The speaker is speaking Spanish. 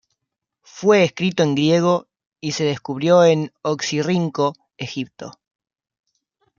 Fue escrito en griego y se descubrió en Oxirrinco, Egipto.